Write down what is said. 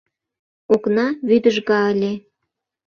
Окна вӱдыжга ыле.